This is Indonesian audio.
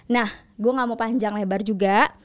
nah gue gak mau panjang lebar juga